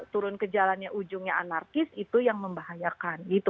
turun ke jalannya ujungnya anarkis itu yang membahayakan gitu